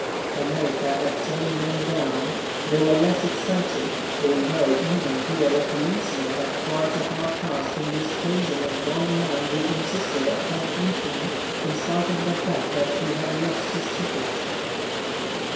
America had toned them down, they were less excited, although even here a policeman had quite a hard task in disposing of one man who insisted upon entering, in spite of the fact that he had lost his ticket.